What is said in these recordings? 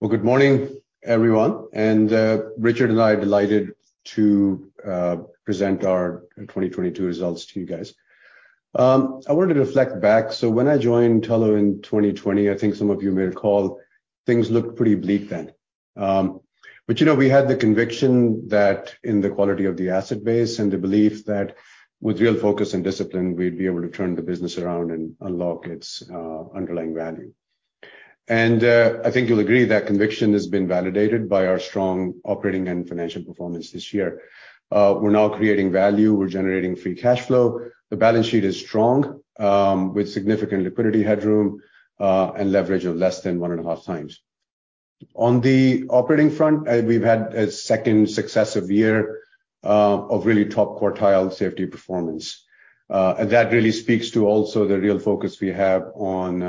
Well, good morning, everyone. Richard and I are delighted to present our 2022 results to you guys. I wanted to reflect back. When I joined Tullow in 2020, I think some of you may recall, things looked pretty bleak then. You know, we had the conviction that in the quality of the asset base and the belief that with real focus and discipline, we'd be able to turn the business around and unlock its underlying value. I think you'll agree that conviction has been validated by our strong operating and financial performance this year. We're now creating value, we're generating free cash flow. The balance sheet is strong, with significant liquidity headroom, and leverage of less than 1.5x. On the operating front, we've had a second successive year of really top quartile safety performance. That really speaks to also the real focus we have on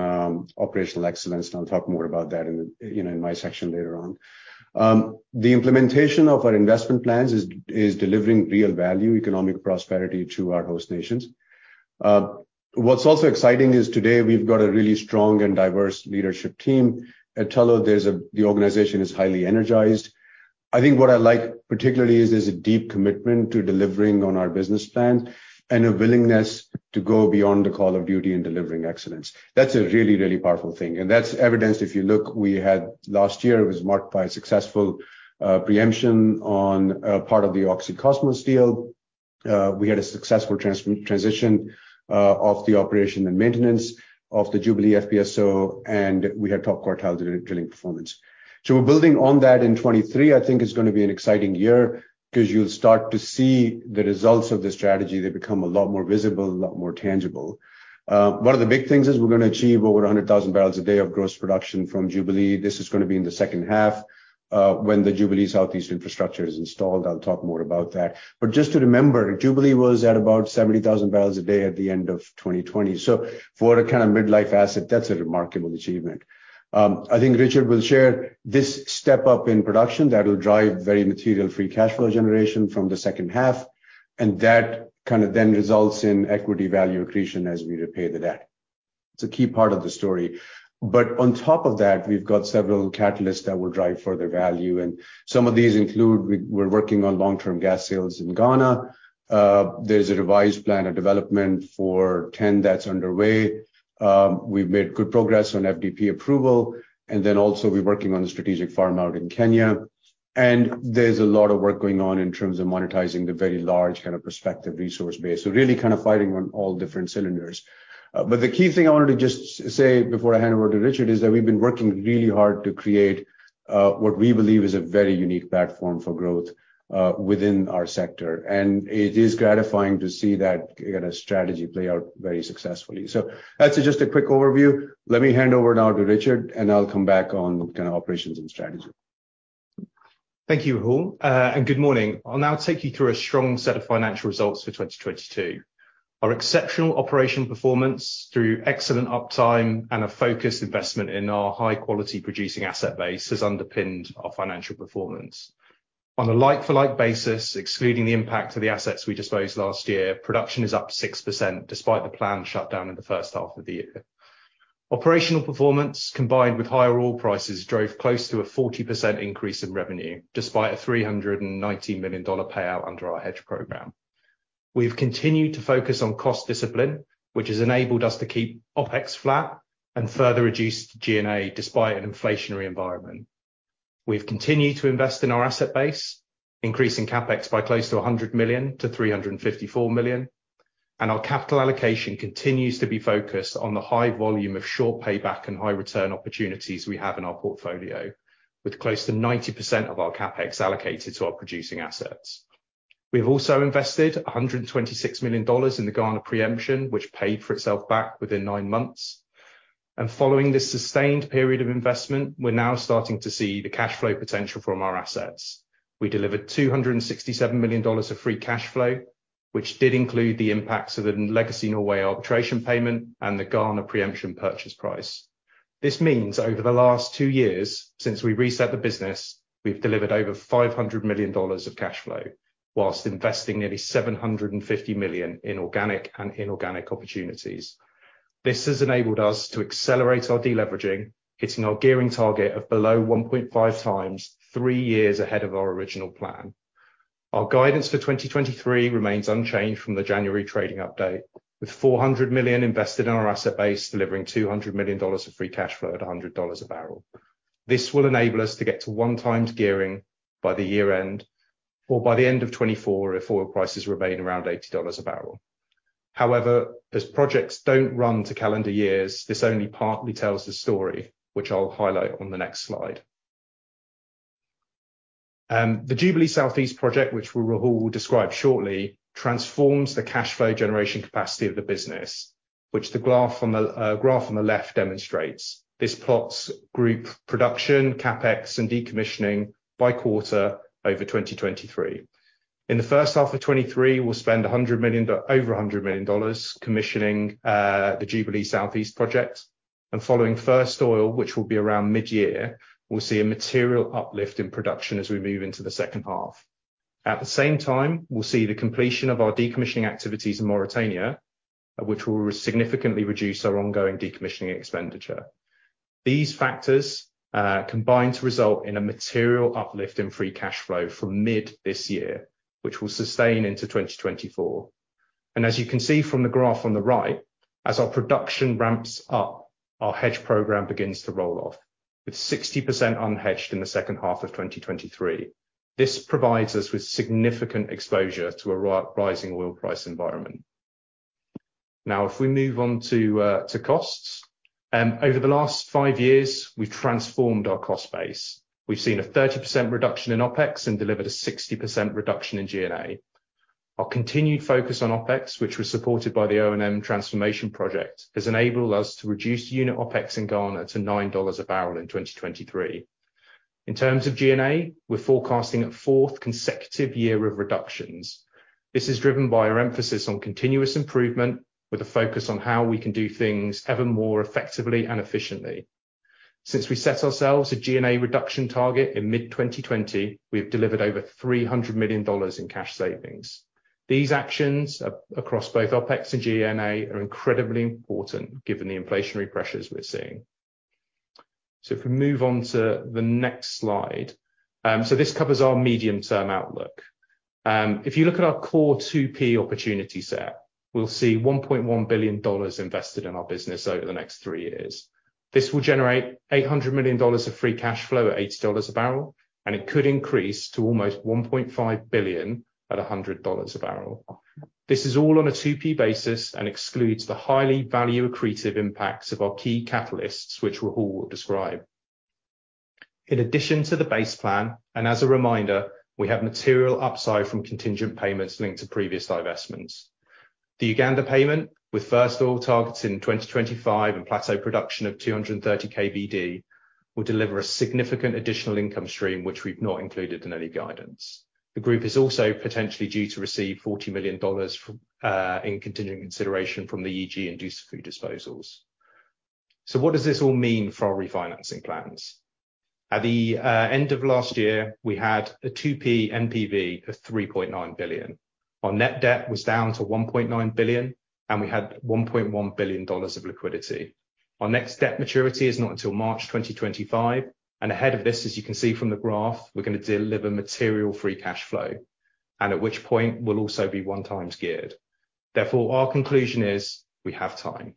operational excellence, and I'll talk more about that in, you know, in my section later on. The implementation of our investment plans is delivering real value, economic prosperity to our host nations. What's also exciting is today we've got a really strong and diverse leadership team. At Tullow, the organization is highly energized. I think what I like particularly is there's a deep commitment to delivering on our business plan and a willingness to go beyond the call of duty in delivering excellence. That's a really powerful thing. That's evidenced if you look, we had last year, it was marked by a successful preemption on part of the Oxy-Kosmos deal. We had a successful transition of the operation and maintenance of the Jubilee FPSO, we had top quartile drilling performance. We're building on that in 2023, I think it's gonna be an exciting year 'cause you'll start to see the results of the strategy. They become a lot more visible, a lot more tangible. One of the big things is we're gonna achieve over 100,000 barrels a day of gross production from Jubilee. This is gonna be in the second half, when the Jubilee Southeast infrastructure is installed. I'll talk more about that. Just to remember, Jubilee was at about 70,000 barrels a day at the end of 2020. For a kind of mid-life asset, that's a remarkable achievement. I think Richard will share this step up in production that will drive very material free cash flow generation from the second half, and that kind of then results in equity value accretion as we repay the debt. It's a key part of the story. On top of that, we've got several catalysts that will drive further value, and some of these include we're working on long-term gas sales in Ghana. There's a revised plan of development for TEN that's underway. We've made good progress on FDP approval. Also we're working on a strategic farm-out in Kenya. There's a lot of work going on in terms of monetizing the very large kind of prospective resource base. Really kind of fighting on all different cylinders. The key thing I wanted to just say before I hand over to Richard is that we've been working really hard to create what we believe is a very unique platform for growth within our sector. It is gratifying to see that kind of strategy play out very successfully. That's just a quick overview. Let me hand over now to Richard, and I'll come back on kind of operations and strategy. Thank you, Rahul. Good morning. I'll now take you through a strong set of financial results for 2022. Our exceptional operation performance through excellent uptime and a focused investment in our high-quality producing asset base has underpinned our financial performance. On a like-for-like basis, excluding the impact of the assets we disposed last year, production is up 6% despite the planned shutdown in the first half of the year. Operational performance combined with higher oil prices drove close to a 40% increase in revenue, despite a $390 million payout under our hedge program. We've continued to focus on cost discipline, which has enabled us to keep OpEx flat and further reduce G&A despite an inflationary environment. We've continued to invest in our asset base, increasing CapEx by close to $100 million-$354 million. Our capital allocation continues to be focused on the high volume of short payback and high return opportunities we have in our portfolio, with close to 90% of our CapEx allocated to our producing assets. We have also invested $126 million in the Ghana pre-emption, which paid for itself back within nine months. Following this sustained period of investment, we're now starting to see the cash flow potential from our assets. We delivered $267 million of free cash flow, which did include the impacts of the legacy Norway arbitration payment and the Ghana pre-emption purchase price. This means over the last two years since we reset the business, we've delivered over $500 million of cash flow whilst investing nearly $750 million in organic and inorganic opportunities. This has enabled us to accelerate our deleveraging, hitting our gearing target of below 1.5x, three years ahead of our original plan. Our guidance for 2023 remains unchanged from the January trading update, with $400 million invested in our asset base, delivering $200 million of free cash flow at $100 a barrel. This will enable us to get to 1x gearing by the year end or by the end of 2024 if oil prices remain around $80 a barrel. However, as projects don't run to calendar years, this only partly tells the story, which I'll highlight on the next slide. The Jubilee Southeast project, which Rahul will describe shortly, transforms the cash flow generation capacity of the business, which the graph on the left demonstrates. This plots group production, CapEx, and decommissioning by quarter over 2023. In the first half of 2023, we'll spend $100 million, over $100 million commissioning the Jubilee Southeast project. Following first oil, which will be around mid-year, we'll see a material uplift in production as we move into the second half. At the same time, we'll see the completion of our decommissioning activities in Mauritania, which will significantly reduce our ongoing decommissioning expenditure. These factors combine to result in a material uplift in free cash flow from mid this year, which will sustain into 2024. As you can see from the graph on the right, as our production ramps up, our hedge program begins to roll off, with 60% unhedged in the second half of 2023. This provides us with significant exposure to a rising oil price environment. If we move on to costs. Over the last five years, we've transformed our cost base. We've seen a 30% reduction in OpEx and delivered a 60% reduction in G&A. Our continued focus on OpEx, which was supported by the O&M transformation project, has enabled us to reduce unit OpEx in Ghana to $9 a barrel in 2023. In terms of G&A, we're forecasting a fourth consecutive year of reductions. This is driven by our emphasis on continuous improvement with a focus on how we can do things ever more effectively and efficiently. Since we set ourselves a G&A reduction target in mid 2020, we have delivered over $300 million in cash savings. These actions across both OpEx and G&A are incredibly important given the inflationary pressures we're seeing. If we move on to the next slide. This covers our medium-term outlook. If you look at our core 2P opportunity set, we'll see $1.1 billion invested in our business over the next three years. This will generate $800 million of free cash flow at $80 a barrel, and it could increase to almost $1.5 billion at $100 a barrel. This is all on a 2P basis and excludes the highly value-accretive impacts of our key catalysts, which Rahul will describe. In addition to the base plan, as a reminder, we have material upside from contingent payments linked to previous divestments. The Uganda payment, with first oil targets in 2025 and plateau production of 230 KBD, will deliver a significant additional income stream which we've not included in any guidance. The group is also potentially due to receive $40 million in continuing consideration from the EG and Dussafu disposals. What does this all mean for our refinancing plans? At the end of last year, we had a 2P NPV of $3.9 billion. Our net debt was down to $1.9 billion, and we had $1.1 billion of liquidity. Our next debt maturity is not until March 2025, and ahead of this, as you can see from the graph, we're gonna deliver material free cash flow, and at which point we'll also be 1x geared. Our conclusion is we have time.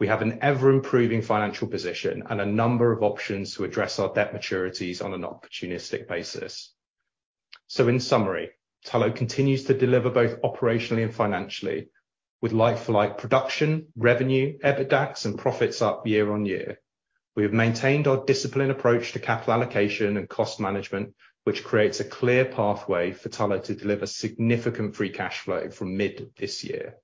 We have an ever-improving financial position and a number of options to address our debt maturities on an opportunistic basis. In summary, Tullow continues to deliver both operationally and financially with like-for-like production, revenue, EBITDAX, and profits up year-over-year. We have maintained our disciplined approach to capital allocation and cost management, which creates a clear pathway for Tullow to deliver significant free cash flow from mid this year.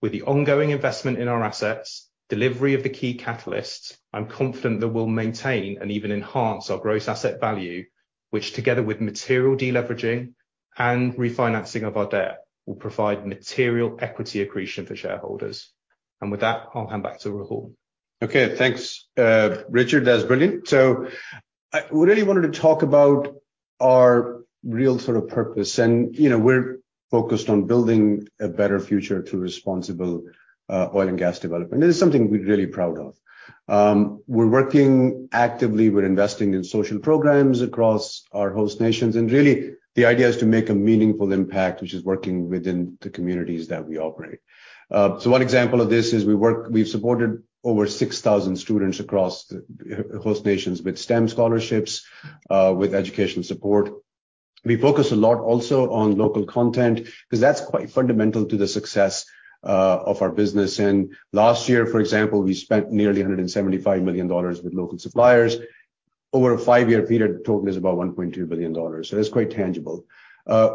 With the ongoing investment in our assets, delivery of the key catalysts, I'm confident that we'll maintain and even enhance our gross asset value, which together with material deleveraging and refinancing of our debt, will provide material equity accretion for shareholders. With that, I'll hand back to Rahul. Okay, thanks, Richard. That's brilliant. I really wanted to talk about our real sort of purpose and, you know, we're focused on building a better future through responsible oil and gas development. This is something we're really proud of. We're working actively, we're investing in social programs across our host nations, and really the idea is to make a meaningful impact, which is working within the communities that we operate. One example of this is we've supported over 6,000 students across the host nations with STEM scholarships, with education support. We focus a lot also on local content because that's quite fundamental to the success of our business. Last year, for example, we spent nearly $175 million with local suppliers. Over a five-year period, total is about $1.2 billion. It's quite tangible.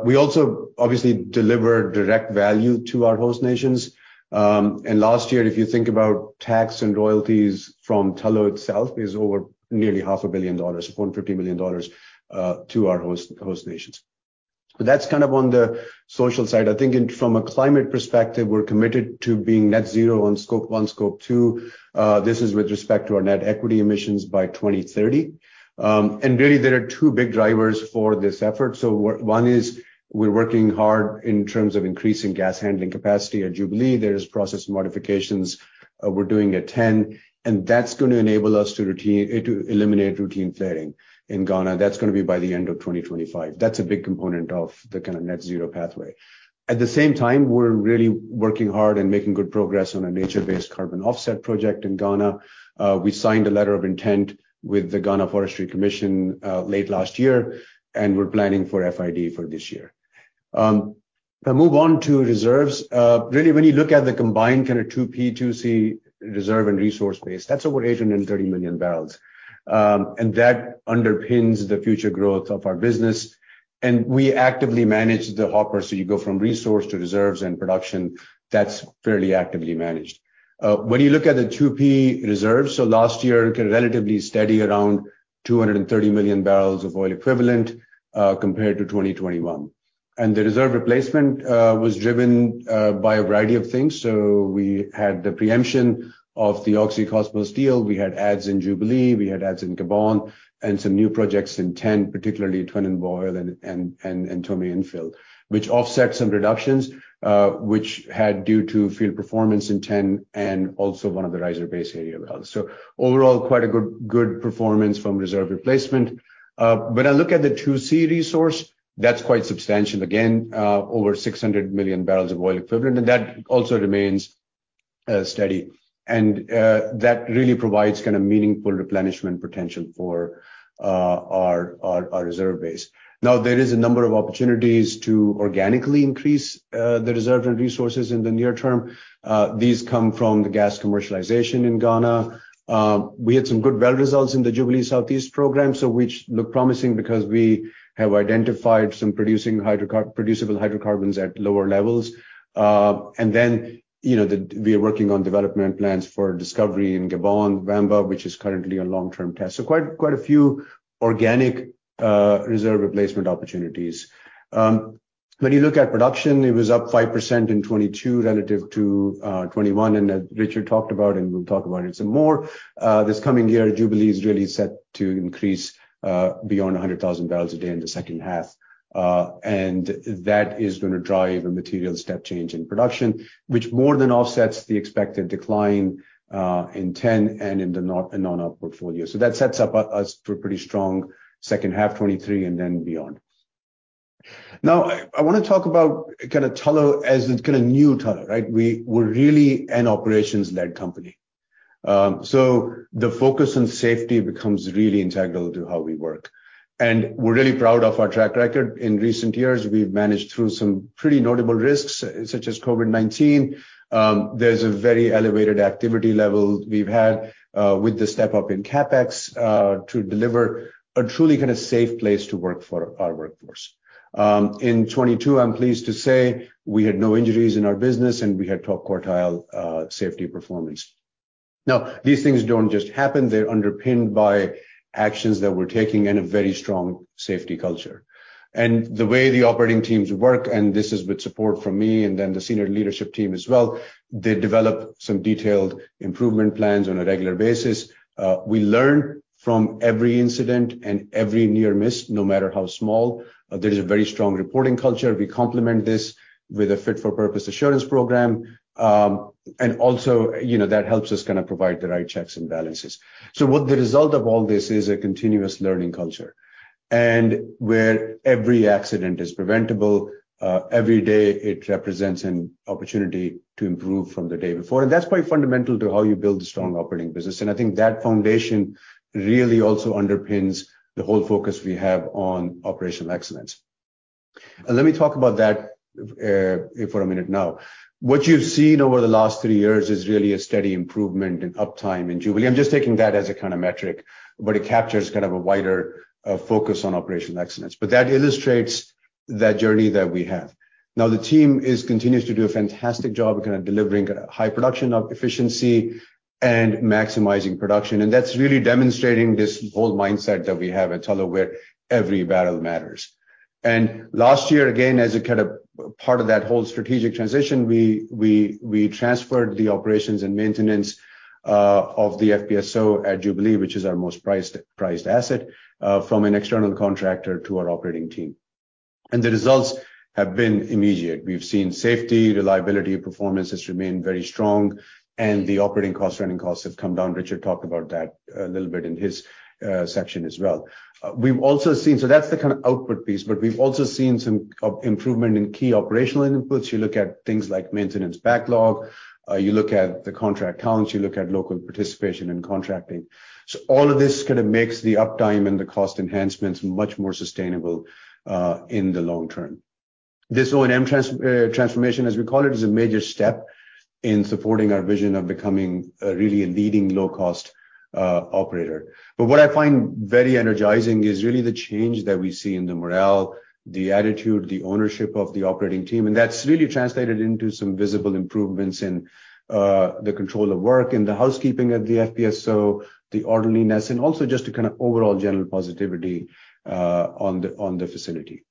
We also obviously deliver direct value to our host nations. Last year, if you think about tax and royalties from Tullow itself, is over nearly $500 million, upon $50 million, to our host nations. That's kind of on the social side. I think from a climate perspective, we're committed to being Net Zero on Scope 1, Scope 2. This is with respect to our net equity emissions by 2030. Really there are two big drivers for this effort. One is we're working hard in terms of increasing gas handling capacity. At Jubilee, there is process modifications. We're doing a TEN, and that's gonna enable us to routine to eliminate routine flaring. In Ghana, that's gonna be by the end of 2025. That's a big component of the kinda Net Zero pathway. At the same time, we're really working hard and making good progress on a nature-based carbon offset project in Ghana. We signed a letter of intent with the Ghana Forestry Commission, late last year, and we're planning for FID for this year. If I move on to reserves, really when you look at the combined kinda 2P, 2C reserve and resource base, that's about 830 million barrels. That underpins the future growth of our business. We actively manage the hopper, so you go from resource to reserves and production, that's fairly actively managed. When you look at the 2P reserves, last year, it was relatively steady around 230 million barrels of oil equivalent, compared to 2021. The reserve replacement was driven by a variety of things. We had the pre-emption of the Oxy-Kosmos deal. We had adds in Jubilee, we had adds in Gabon, and some new projects in TEN, particularly Tweneboa and Ntomme Infill, which offset some reductions, which had due to field performance in TEN and also one of the riser base area wells. Overall, quite a good performance from reserve replacement. I look at the 2C resource, that's quite substantial. Again, over 600 million barrels of oil equivalent, and that also remains steady. That really provides kind of meaningful replenishment potential for our reserve base. Now, there is a number of opportunities to organically increase the reserve and resources in the near term. These come from the gas commercialization in Ghana. We had some good well results in the Jubilee Southeast program, so which look promising because we have identified some producing producible hydrocarbons at lower levels. Then, you know, we are working on development plans for discovery in Gabon, Wamba, which is currently on long-term test. Quite a few organic reserve replacement opportunities. When you look at production, it was up 5% in 2022 relative to 2021. As Richard talked about, and we'll talk about it some more, this coming year, Jubilee is really set to increase beyond 100,000 barrels a day in the second half. That is gonna drive a material step change in production, which more than offsets the expected decline in TEN and in the non-op portfolio. That sets up us for a pretty strong second half 2023 and then beyond. Now, I wanna talk about kinda Tullow as a kinda new Tullow, right? We're really an operations-led company. The focus on safety becomes really integral to how we work. We're really proud of our track record. In recent years, we've managed through some pretty notable risks, such as COVID-19. There's a very elevated activity level we've had with the step-up in CapEx to deliver a truly kinda safe place to work for our workforce. In 2022, I'm pleased to say we had no injuries in our business, and we had top quartile safety performance. These things don't just happen. They're underpinned by actions that we're taking in a very strong safety culture. The way the operating teams work, and this is with support from me and then the senior leadership team as well, they develop some detailed improvement plans on a regular basis. We learn from every incident and every near miss, no matter how small. There's a very strong reporting culture. We complement this with a fit for purpose assurance program. You know, that helps us kinda provide the right checks and balances. What the result of all this is a continuous learning culture, and where every accident is preventable, every day it represents an opportunity to improve from the day before. That's quite fundamental to how you build a strong operating business. I think that foundation really also underpins the whole focus we have on operational excellence. Let me talk about that for a minute now. What you've seen over the last three years is really a steady improvement in uptime in Jubilee. I'm just taking that as a kinda metric, but it captures kind of a wider focus on operational excellence. That illustrates that journey that we have. Now, the team is continuous to do a fantastic job of kinda delivering high production of efficiency and maximizing production. That's really demonstrating this whole mindset that we have at Tullow, where every barrel matters. Last year, again, as a kind of part of that whole strategic transition, we transferred the operations and maintenance of the FPSO at Jubilee, which is our most prized asset, from an external contractor to our operating team. The results have been immediate. We've seen safety, reliability, performance has remained very strong, and the operating costs, running costs have come down. Richard talked about that a little bit in his section as well. We've also seen. That's the kinda output piece, but we've also seen some improvement in key operational inputs. You look at things like maintenance backlog, you look at the contract counts, you look at local participation and contracting. All of this kinda makes the uptime and the cost enhancements much more sustainable in the long term. This O&M transformation, as we call it, is a major step in supporting our vision of becoming really a leading low cost operator. What I find very energizing is really the change that we see in the morale, the attitude, the ownership of the operating team, and that's really translated into some visible improvements in the control of work and the housekeeping at the FPSO, the orderliness, and also just a kind of overall general positivity on the facility.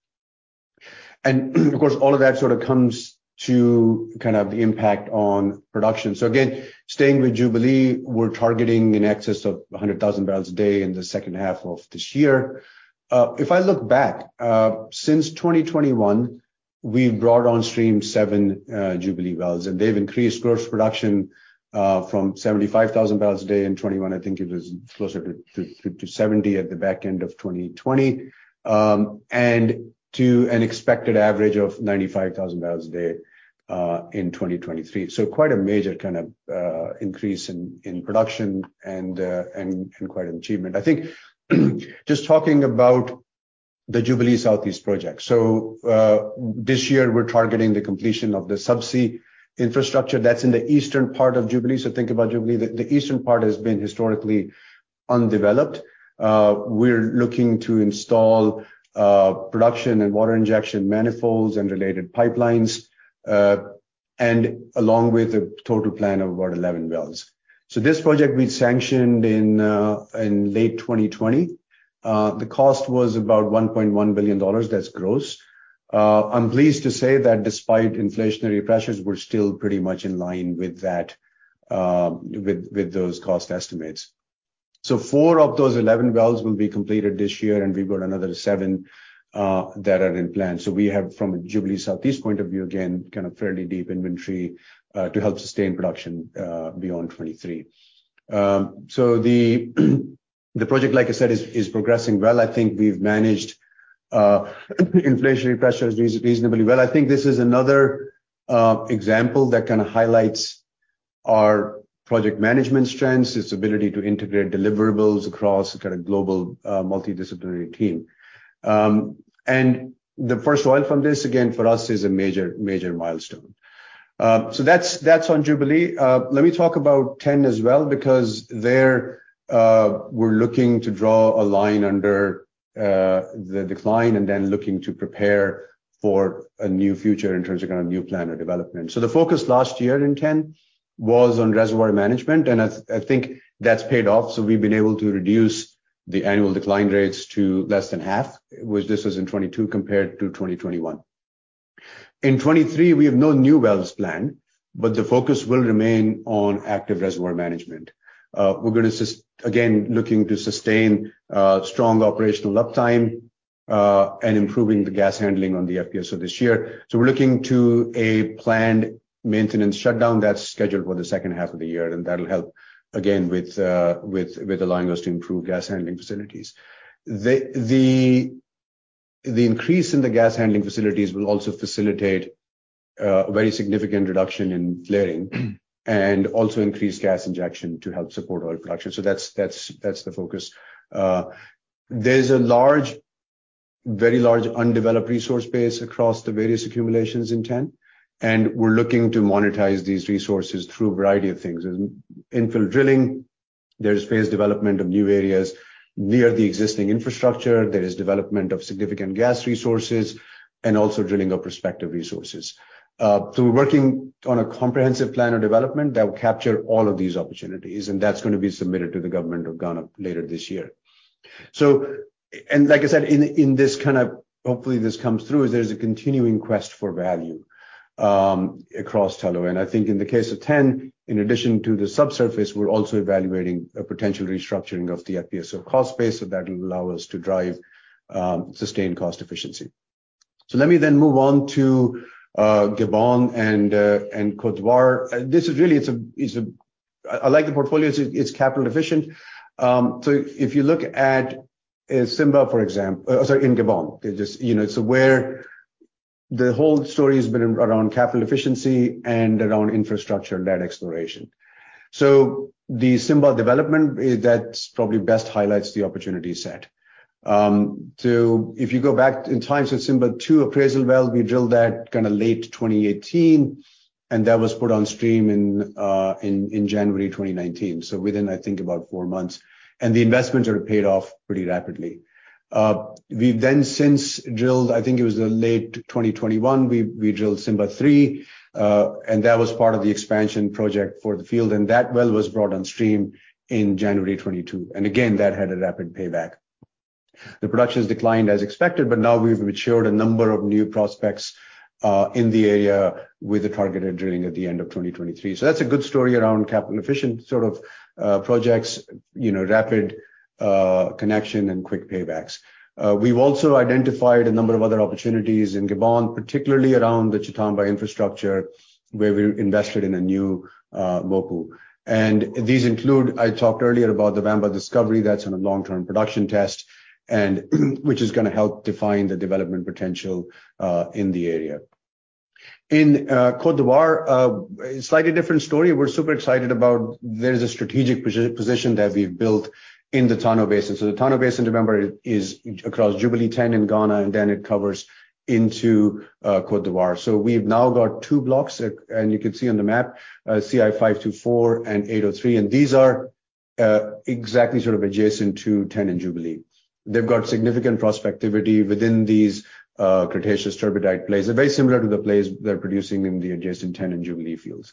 Of course, all of that sort of comes to kind of the impact on production. Again, staying with Jubilee, we're targeting in excess of 100,000 barrels a day in the second half of this year. If I look back, since 2021, we've brought on stream seven Jubilee wells, and they've increased gross production from 75,000 barrels a day in 2021, I think it was closer to 70 at the back end of 2020, and to an expected average of 95,000 barrels a day in 2023. Quite a major kind of increase in production and quite an achievement. I think just talking about the Jubilee Southeast project. This year we're targeting the completion of the subsea infrastructure that's in the eastern part of Jubilee. Think about Jubilee, the eastern part has been historically undeveloped. We're looking to install production and water injection manifolds and related pipelines. Along with a total plan of about 11 wells. This project we sanctioned in late 2020. The cost was about $1.1 billion, that's gross. I'm pleased to say that despite inflationary pressures, we're still pretty much in line with that with those cost estimates. Four of those 11 wells will be completed this year, and we've got another 7 that are in plan. We have, from a Jubilee Southeast point of view, again, kind of fairly deep inventory to help sustain production beyond 2023. The project, like I said, is progressing well. I think we've managed inflationary pressures reasonably well. I think this is another example that kinda highlights our project management strengths, its ability to integrate deliverables across a kind of global multidisciplinary team. The first oil from this, again, for us, is a major milestone. That's on Jubilee. Let me talk about TEN as well, because there, we're looking to draw a line under the decline and then looking to prepare for a new future in terms of kind of new plan or development. The focus last year in TEN was on reservoir management, and I think that's paid off. We've been able to reduce the annual decline rates to less than half, which this was in 2022 compared to 2020. In 2023, we have no new wells planned, but the focus will remain on active reservoir management. We're gonna again, looking to sustain strong operational uptime, and improving the gas handling on the FPSO this year. We're looking to a planned maintenance shutdown that's scheduled for the second half of the year, and that'll help again, with allowing us to improve gas handling facilities. The increase in the gas handling facilities will also facilitate a very significant reduction in flaring, and also increase gas injection to help support oil production. That's the focus. There's a large, very large undeveloped resource base across the various accumulations in TEN, and we're looking to monetize these resources through a variety of things. There's infill drilling, there's phase development of new areas near the existing infrastructure, there is development of significant gas resources, and also drilling of prospective resources. We're working on a comprehensive plan of development that will capture all of these opportunities, and that's gonna be submitted to the Government of Ghana later this year. Like I said, in this kind of... hopefully this comes through, is there's a continuing quest for value across Tullow. I think in the case of TEN, in addition to the subsurface, we're also evaluating a potential restructuring of the FPSO cost base, so that will allow us to drive sustained cost efficiency. Let me move on to Gabon and Cote d'Ivoire. This is really, I like the portfolio, it's capital efficient. If you look at Simba, sorry, in Gabon, just, you know, so where the whole story has been around capital efficiency and around infrastructure and that exploration. The Simba development, that's probably best highlights the opportunity set. If you go back in time, Simba-2 appraisal well, we drilled that kinda late 2018, and that was put on stream in January 2019. Within, I think, about four months. The investments are paid off pretty rapidly. We've then since drilled, I think it was late 2021, we drilled Simba-3, and that was part of the expansion project for the field, and that well was brought on stream in January 2022. Again, that had a rapid payback. The production has declined as expected, but now we've matured a number of new prospects in the area with the targeted drilling at the end of 2023. That's a good story around capital efficient sort of projects, you know, rapid connection and quick paybacks. We've also identified a number of other opportunities in Gabon, particularly around the Tchatamba infrastructure, where we invested in a new local. I talked earlier about the Wamba discovery that's on a long-term production test and which is gonna help define the development potential in the area. In Cote d'Ivoire, a slightly different story. We're super excited about there's a strategic position that we've built in the Tano Basin. The Tano Basin, remember, is across Jubilee, TEN, and Ghana, and then it covers into Cote d'Ivoire. We've now got two blocks, and you can see on the map, CI-524 and CI-803. These are exactly sort of adjacent to TEN and Jubilee. They've got significant prospectivity within these Cretaceous turbidite plays. They're very similar to the plays that are producing in the adjacent TEN and Jubilee fields.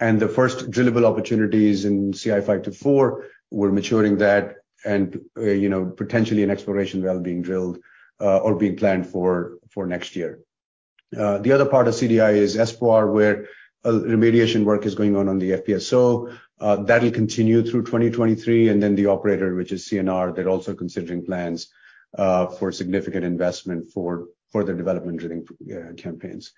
The first drillable opportunities in CI-524, we're maturing that and, you know, potentially an exploration well being drilled or being planned for next year. The other part of CDI is Espoir, where remediation work is going on the FPSO. That'll continue through 2023. The operator, which is CNR, they're also considering plans for significant investment for further development drilling campaigns.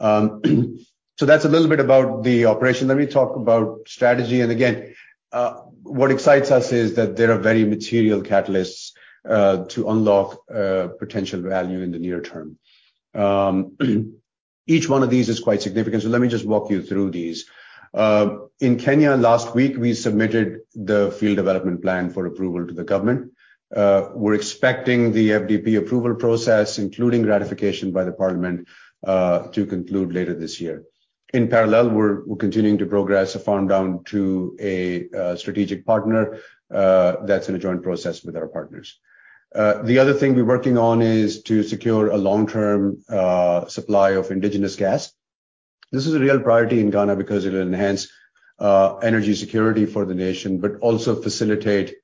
That's a little bit about the operation. Let me talk about strategy. Again, what excites us is that there are very material catalysts to unlock potential value in the near term. Each one of these is quite significant, so let me just walk you through these. In Kenya last week, we submitted the Field Development Plan for approval to the Government. We're expecting the FDP approval process, including ratification by the Parliament, to conclude later this year. In parallel, we're continuing to progress a farm-down to a strategic partner that's in a joint process with our partners. The other thing we're working on is to secure a long-term supply of indigenous gas. This is a real priority in Ghana because it'll enhance energy security for the nation, but also facilitate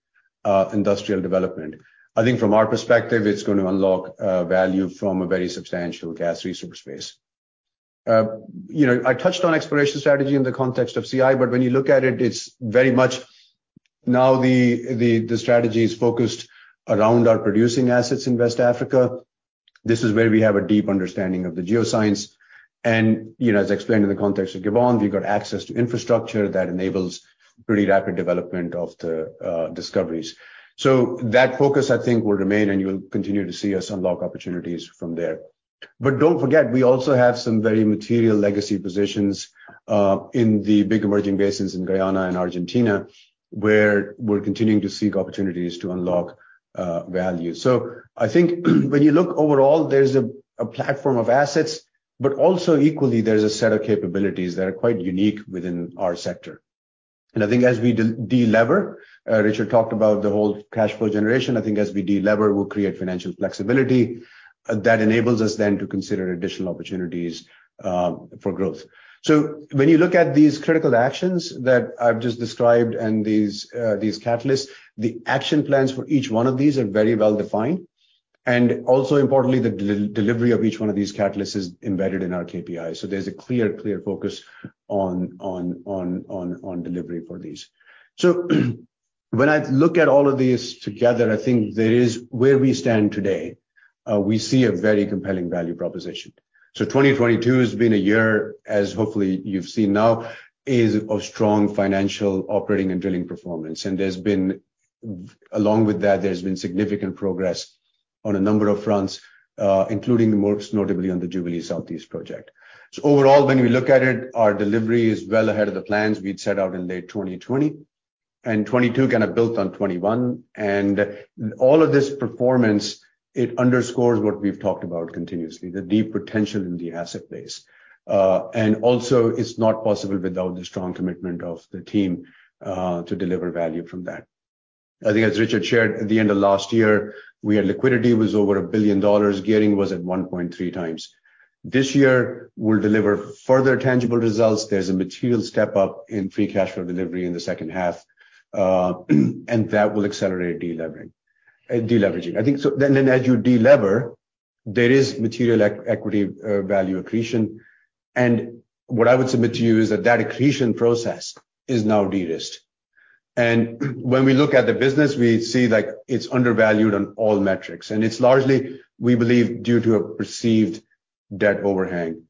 industrial development. I think from our perspective, it's gonna unlock value from a very substantial gas resource space. You know, I touched on exploration strategy in the context of CI, but when you look at it's very much now the strategy is focused around our producing assets in West Africa. This is where we have a deep understanding of the geoscience and, you know, as explained in the context of Gabon, we've got access to infrastructure that enables pretty rapid development of the discoveries. That focus, I think, will remain, and you'll continue to see us unlock opportunities from there. Don't forget, we also have some very material legacy positions in the big emerging basins in Guyana and Argentina, where we're continuing to seek opportunities to unlock value. I think when you look overall, there's a platform of assets, but also equally there's a set of capabilities that are quite unique within our sector. I think as we de-lever, Richard talked about the whole cash flow generation. I think as we de-lever, we'll create financial flexibility that enables us then to consider additional opportunities for growth. When you look at these critical actions that I've just described and these catalysts, the action plans for each one of these are very well-defined. Also importantly, the delivery of each one of these catalysts is embedded in our KPI. There's a clear focus on delivery for these. When I look at all of these together, I think there is where we stand today, we see a very compelling value proposition. 2022 has been a year, as hopefully you've seen now, is of strong financial operating and drilling performance. Along with that, there's been significant progress on a number of fronts, including the most notably on the Jubilee Southeast project. Overall, when we look at it, our delivery is well ahead of the plans we'd set out in late 2020, and 2022 kind of built on 2021. All of this performance, it underscores what we've talked about continuously, the deep potential in the asset base. Also it's not possible without the strong commitment of the team to deliver value from that. I think as Richard shared at the end of last year, we had liquidity was over $1 billion. Gearing was at 1.3x. This year, we'll deliver further tangible results. There's a material step up in free cash flow delivery in the second half, that will accelerate de-leveraging. As you de-lever, there is material equity value accretion. What I would submit to you is that that accretion process is now de-risked. When we look at the business, we see like it's undervalued on all metrics, and it's largely, we believe, due to a perceived debt overhang.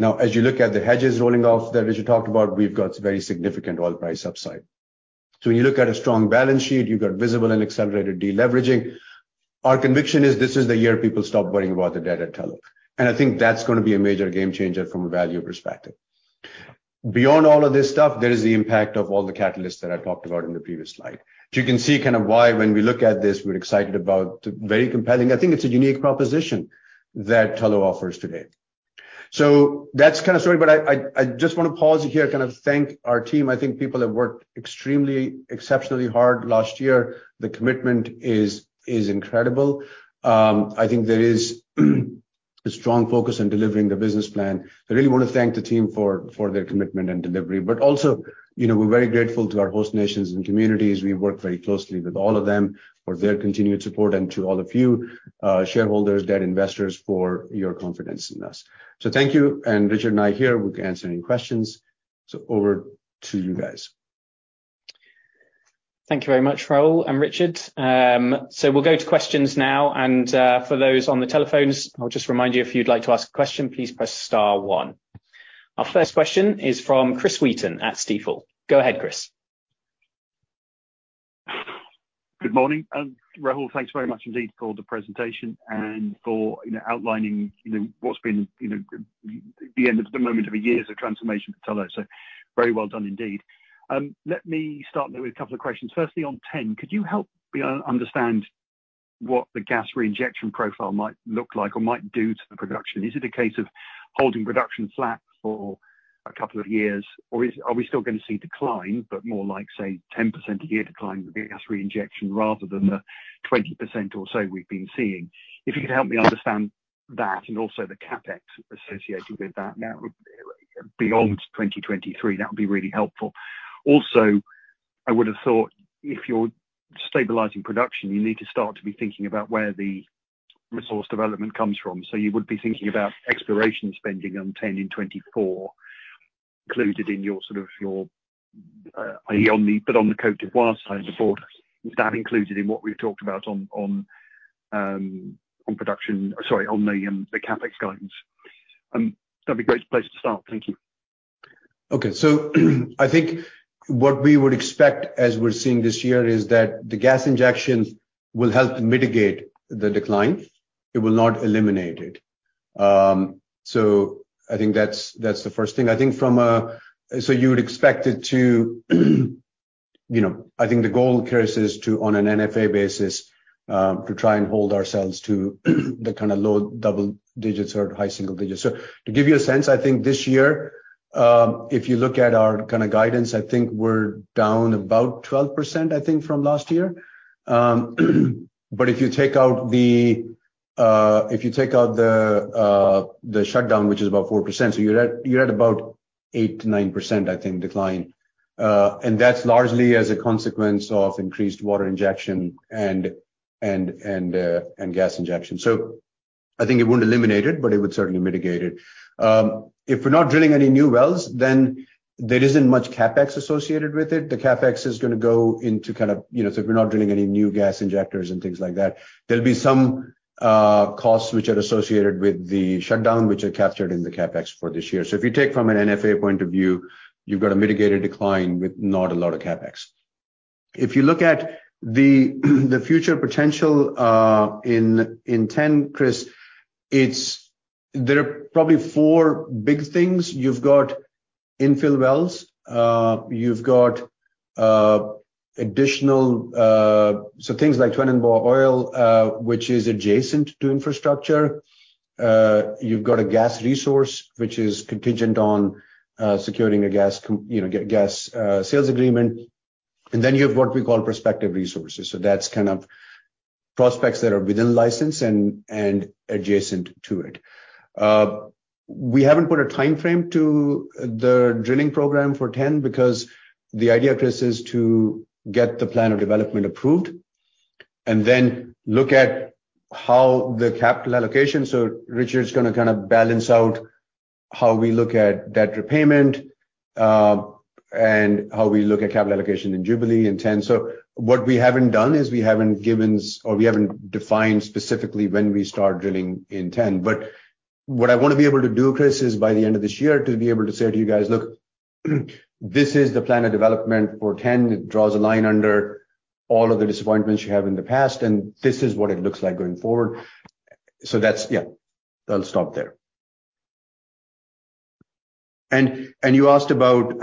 As you look at the hedges rolling off that Richard talked about, we've got very significant oil price upside. When you look at a strong balance sheet, you've got visible and accelerated de-leveraging. Our conviction is this is the year people stop worrying about the debt at Tullow, and I think that's gonna be a major game changer from a value perspective. Beyond all of this stuff, there is the impact of all the catalysts that I talked about in the previous slide. You can see kind of why when we look at this, we're excited about the very compelling... I think it's a unique proposition that Tullow offers today. That's kinda story, but I just wanna pause here, kind of thank our team. I think people have worked extremely, exceptionally hard last year. The commitment is incredible. I think there is a strong focus on delivering the business plan. I really wanna thank the team for their commitment and delivery. Also, you know, we're very grateful to our host nations and communities. We work very closely with all of them for their continued support and to all of you, shareholders, debt investors for your confidence in us. Thank you, and Richard and I here, we can answer any questions. Over to you guys. Thank you very much, Rahul and Richard. We'll go to questions now. For those on the telephones, I'll just remind you, if you'd like to ask a question, please press star one. Our first question is from Chris Wheaton at Stifel. Go ahead, Chris. Good morning, Rahul, thanks very much indeed for the presentation and for, you know, outlining, you know, what's been, you know, the end of the moment of a years of transformation for Tullow, so very well done indeed. Let me start there with a couple of questions. Firstly, on TEN, could you help me understand what the gas reinjection profile might look like or might do to the production? Is it a case of holding production flat for two years, or are we still gonna see decline, but more like, say, 10% a year decline with the gas reinjection rather than the 20% or so we've been seeing? If you could help me understand that and also the CapEx associated with that now beyond 2023, that would be really helpful. I would have thought if you're stabilizing production, you need to start to be thinking about where the resource development comes from. You would be thinking about exploration spending on 10 and 24 included in your, sort of your, on the Côte d'Ivoire side of the board. Is that included in what we've talked about on production, sorry, on the CapEx guidance? That'd be great place to start. Thank you. Okay. I think what we would expect as we're seeing this year is that the gas injections will help mitigate the decline. It will not eliminate it. I think that's the first thing. I think from a... You would expect it to, you know, I think the goal, Chris, is to, on an NFA basis, to try and hold ourselves to the kinda low double digits or high single digits. To give you a sense, I think this year, if you look at our kinda guidance, I think we're down about 12%, I think, from last year. If you take out the shutdown, which is about 4%, you're at about 8%-9%, I think, decline. That's largely as a consequence of increased water injection and gas injection. I think it won't eliminate it, but it would certainly mitigate it. If we're not drilling any new wells, then there isn't much CapEx associated with it. The CapEx is gonna go into kind of, you know, if we're not drilling any new gas injectors and things like that, there'll be some costs which are associated with the shutdown, which are captured in the CapEx for this year. If you take from an NFA point of view, you've got a mitigated decline with not a lot of CapEx. If you look at the future potential in TEN, Chris, there are probably four big things. You've got infill wells, you've got, additional, so things like Tweneboa Oil, which is adjacent to infrastructure. You've got a gas resource, which is contingent on, securing a you know, gas sales agreement. Then you have what we call prospective resources. That's kind of prospects that are within license and adjacent to it. We haven't put a timeframe to the drilling program for TEN because the idea, Chris, is to get the plan of development approved and then look at how the capital allocation. Richard's gonna kinda balance out how we look at debt repayment, and how we look at capital allocation in Jubilee and TEN. What we haven't done is we haven't defined specifically when we start drilling in TEN. What I wanna be able to do, Chris, is by the end of this year, to be able to say to you guys, "Look, this is the plan of development for TEN. It draws a line under all of the disappointments you have in the past, and this is what it looks like going forward." Yeah, I'll stop there. You asked about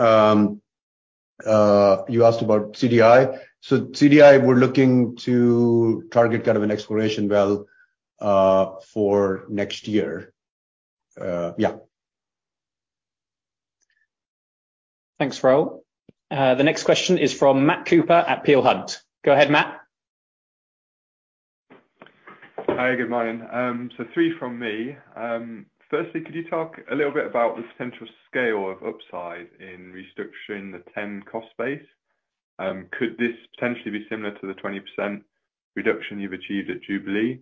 CDI. CDI, we're looking to target kind of an exploration well for next year. Thanks, Rahul. The next question is from Matt Cooper at Peel Hunt. Go ahead, Matt. Hi, good morning. Three from me. Firstly, could you talk a little bit about the potential scale of upside in restructuring the TEN cost base? Could this potentially be similar to the 20% reduction you've achieved at Jubilee?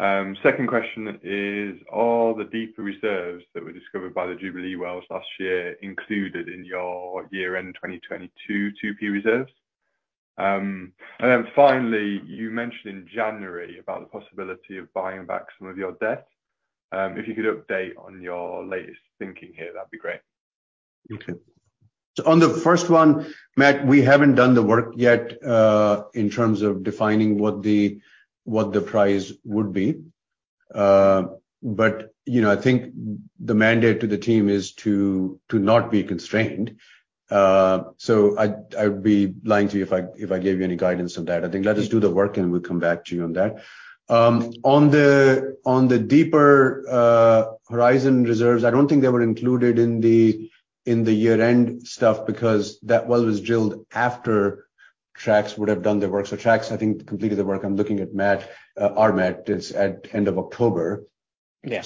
Second question is, are the deeper reserves that were discovered by the Jubilee wells last year included in your year-end 2022, 2P reserves? Finally, you mentioned in January about the possibility of buying back some of your debt. If you could update on your latest thinking here, that'd be great. Okay. On the first one, Matt, we haven't done the work yet in terms of defining what the price would be. you know, I think the mandate to the team is to not be constrained. I would be lying to you if I gave you any guidance on that. I think let us do the work, and we'll come back to you on that. On the deeper horizon reserves, I don't think they were included in the year-end stuff because that well was drilled after TRACS would have done the work. TRACS, I think, completed the work. I'm looking at Matt, our Matt, it's at end of October. Yeah.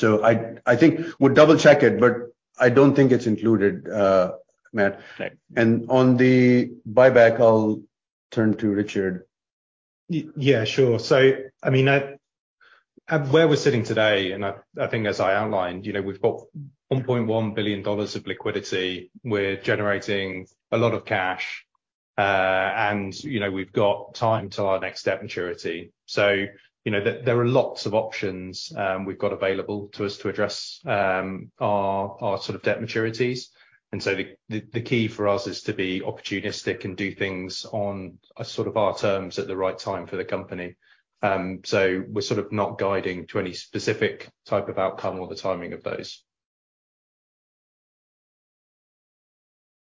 I think we'll double-check it, but I don't think it's included, Matt. Right. On the buyback, I'll turn to Richard. Yeah, sure. I mean, I, where we're sitting today, I think as I outlined, you know, we've got $1.1 billion of liquidity. We're generating a lot of cash. You know, we've got time till our next debt maturity. You know, there are lots of options we've got available to us to address our sort of debt maturities. The key for us is to be opportunistic and do things on a sort of our terms at the right time for the company. We're sort of not guiding to any specific type of outcome or the timing of those.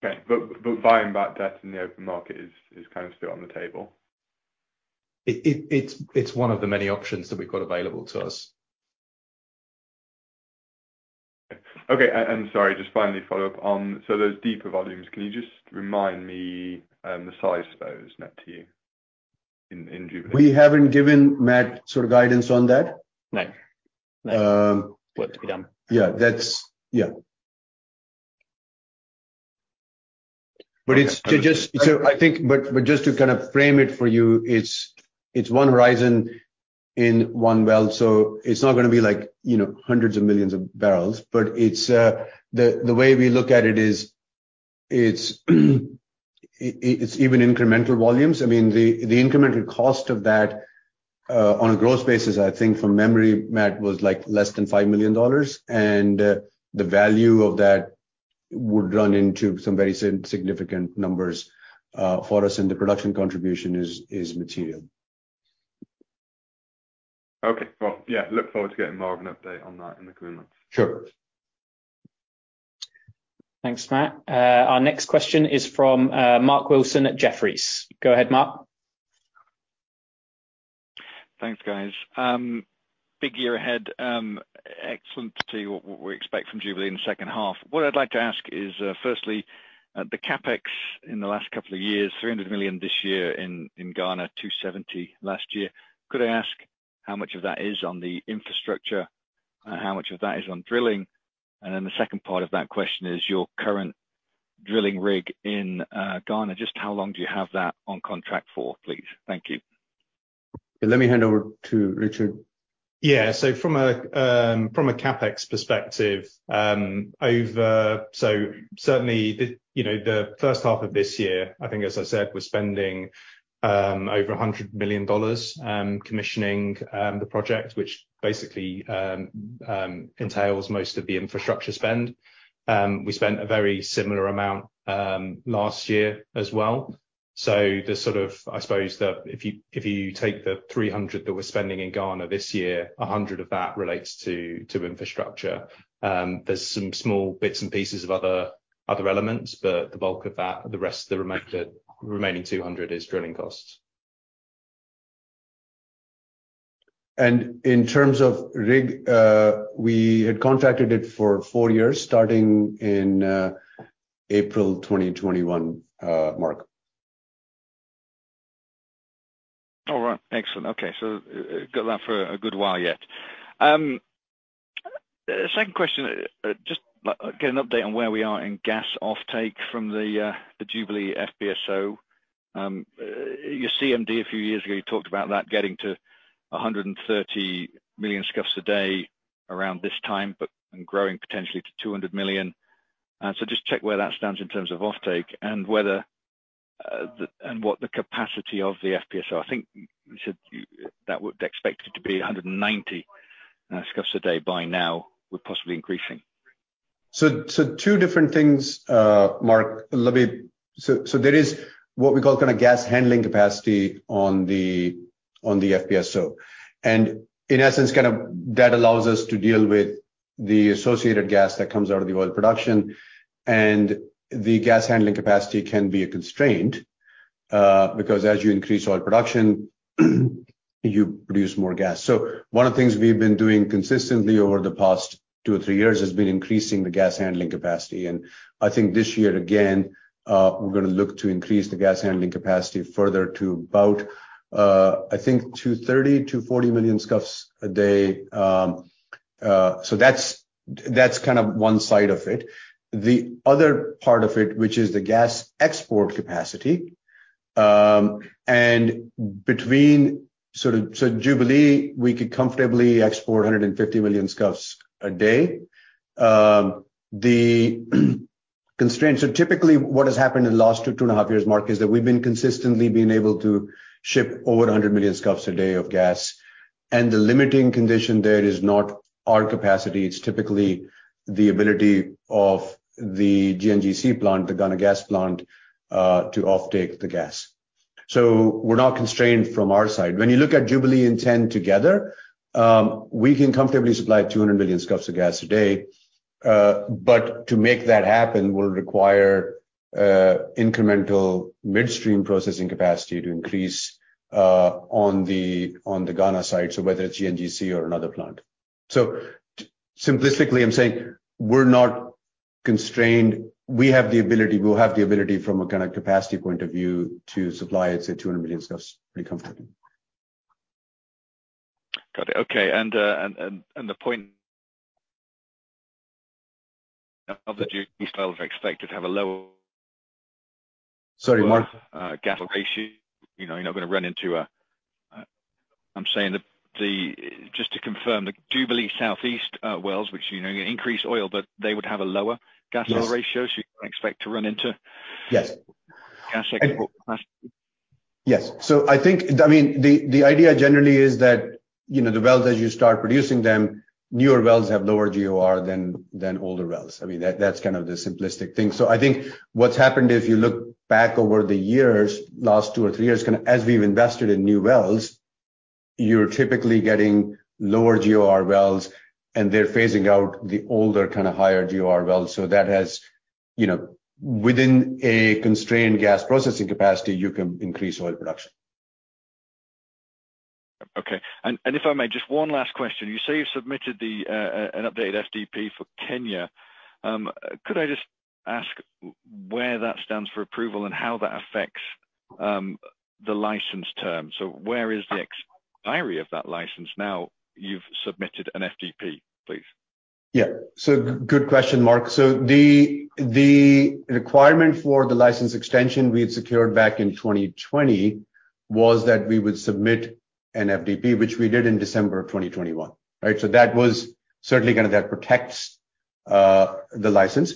Okay. buying back debt in the open market is kind of still on the table? It's one of the many options that we've got available to us. Okay. Sorry, just finally follow up. Those deeper volumes, can you just remind me, the size of those net to you in Jubilee? We haven't given Matt sort of guidance on that. No. No. Um- Work to be done. Yeah, that's... Yeah. it's to just- Okay. I think, but just to kind of frame it for you, it's one horizon in one well, so it's not gonna be like, you know, hundreds of millions of barrels. It's, the way we look at it is, it's even incremental volumes. I mean, the incremental cost of that, on a gross basis, I think from memory, Matt, was, like less than $5 million. The value of that would run into some very significant numbers, for us, and the production contribution is material. Okay. Well, yeah, look forward to getting more of an update on that in the coming months. Sure. Thanks, Matt. Our next question is from Mark Wilson at Jefferies. Go ahead, Mark. Thanks, guys. Big year ahead. Excellent to see what we expect from Jubilee in the second half. What I'd like to ask is, firstly, the CapEx in the last couple of years, $300 million this year in Ghana, $270 million last year. Could I ask how much of that is on the infrastructure? How much of that is on drilling? The second part of that question is your current drilling rig in Ghana. Just how long do you have that on contract for, please? Thank you. Let me hand over to Richard. Yeah. From a CapEx perspective, certainly, you know, the first half of this year, I think, as I said, we're spending over $100 million commissioning the project, which basically entails most of the infrastructure spend. We spent a very similar amount last year as well. I suppose, if you take the $300 that we're spending in Ghana this year, $100 of that relates to infrastructure. There's some small bits and pieces of other elements, but the bulk of that, the rest of the remaining $200 is drilling costs. In terms of rig, we had contracted it for four years, starting in April 2021, Mark. All right, excellent. Okay. Got that for a good while yet. Second question, just like get an update on where we are in gas offtake from the Jubilee FPSO. Your CMD a few years ago, you talked about that getting to 130 million scf a day around this time, but, and growing potentially to 200 million. Just check where that stands in terms of offtake and whether the, and what the capacity of the FPSO. I think you said that would expect it to be 190 scf a day by now, with possibly increasing. Two different things, Mark, let me. There is what we call kind of gas handling capacity on the FPSO. In essence, kind of that allows us to deal with the associated gas that comes out of the oil production. The gas handling capacity can be a constraint because as you increase oil production, you produce more gas. One of the things we've been doing consistently over the past two or three years has been increasing the gas handling capacity. I think this year again, we're gonna look to increase the gas handling capacity further to about, I think to 30 to 40 million scf a day. That's kind of one side of it. The other part of it, which is the gas export capacity. Between sort of... Jubilee, we could comfortably export 150 million scf a day. Typically, what has happened in the last two and a half years, Mark, is that we've been consistently able to ship over 100 million scf a day of gas. The limiting condition there is not our capacity, it's typically the ability of the GNGC plant, the Ghana gas plant, to offtake the gas. We're not constrained from our side. When you look at Jubilee and TEN together, we can comfortably supply 200 million scf of gas a day. To make that happen will require incremental midstream processing capacity to increase on the Ghana side. Whether it's GNGC or another plant. Simplistically, I'm saying we're not constrained. We have the ability, we'll have the ability from a kind of capacity point of view to supply, I'd say, 200 million scf pretty comfortably. Got it. Okay. The point of the duty I've expected to have. Sorry, Mark. Gas ratio. You know, you're not gonna run into Just to confirm, the Jubilee Southeast wells, which, you know, increase oil, but they would have a lower gas oil ratio. Yes. you don't expect to run into- Yes. gas export capacity. Yes. I think... I mean, the idea generally is that, you know, the wells, as you start producing them, newer wells have lower GOR than older wells. I mean, that's kind of the simplistic thing. I think what's happened if you look back over the years, last two or three years, kind of as we've invested in new wells, you're typically getting lower GOR wells, and they're phasing out the older kind of higher GOR wells. That has, you know, within a constrained gas processing capacity, you can increase oil production. Okay. If I may, just one last question. You say you've submitted the an updated FDP for Kenya. Could I just ask where that stands for approval and how that affects the license terms? Where is the expiry of that license now you've submitted an FDP, please? Good question, Mark. The requirement for the license extension we had secured back in 2020 was that we would submit an FDP, which we did in December of 2021. Right? That was certainly gonna. That protects the license.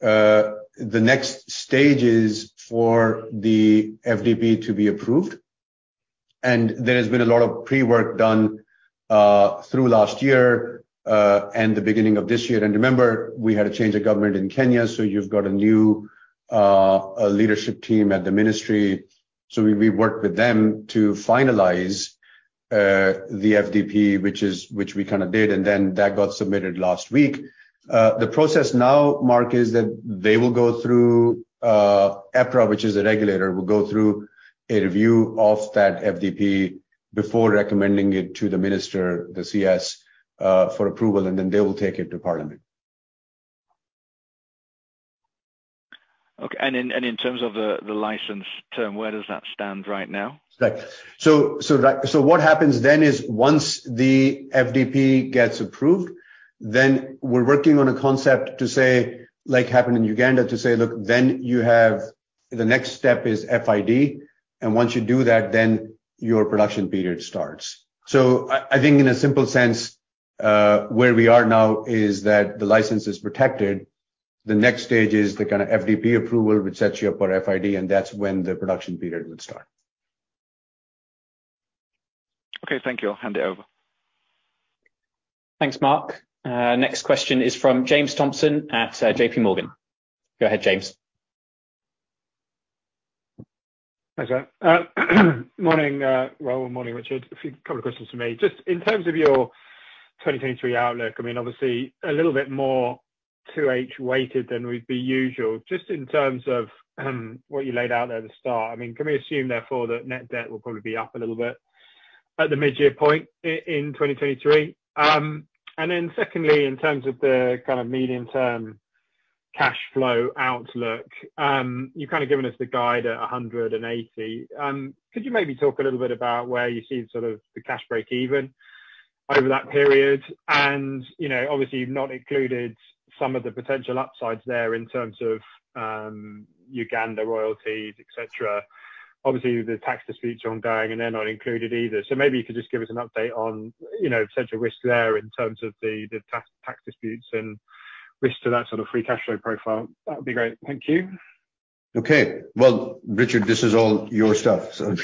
The next stage is for the FDP to be approved. There has been a lot of pre-work done through last year and the beginning of this year. Remember, we had a change of government in Kenya, so you've got a new leadership team at the ministry. We worked with them to finalize the FDP, which we kinda did, that got submitted last week. The process now, Mark, is that they will go through EPRA, which is a regulator, will go through a review of that FDP before recommending it to the minister, the CS, for approval, and then they will take it to parliament. Okay. In terms of the license term, where does that stand right now? Right. So that... What happens then is once the FDP gets approved, then we're working on a concept to say, like happened in Uganda, look, then you have the next step is FID. Once you do that, then your production period starts. I think in a simple sense, where we are now is that the license is protected. The next stage is the kind of FDP approval, which sets you up for FID, and that's when the production period would start. Okay, thank you. I'll hand it over. Thanks, Mark. Next question is from James Thompson at JP Morgan. Go ahead, James. Hi there. Morning, Rahul, morning, Richard. A few couple of questions from me. Just in terms of your 2023 outlook, I mean, obviously a little bit more 2H weighted than would be usual. Just in terms of what you laid out there at the start, I mean, can we assume therefore that net debt will probably be up a little bit at the mid-year point in 2023? Secondly, in terms of the kind of medium term cash flow outlook, you've kind of given us the guide at $180. Could you maybe talk a little bit about where you see sort of the cash break even over that period? You know, obviously you've not included some of the potential upsides there in terms of Uganda royalties, et cetera. Obviously, the tax disputes are ongoing, and they're not included either. Maybe you could just give us an update on, you know, potential risks there in terms of the tax disputes and risk to that sort of free cash flow profile. That would be great. Thank you. Okay. Well, Richard, this is all your stuff, so.